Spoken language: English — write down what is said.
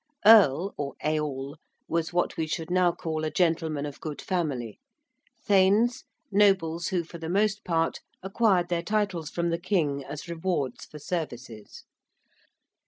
~earl~ or ~eorl~ was what we should now call a gentleman of good family; ~thanes~: nobles who for the most part acquired their titles from the king as rewards for services.